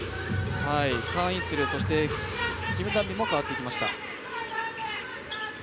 カン・イスル、キム・ダンビも代わっていきました。